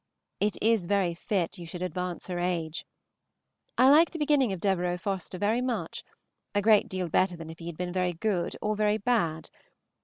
It was very fit you should advance her age. I like the beginning of Devereux Forester very much, a great deal better than if he had been very good or very bad.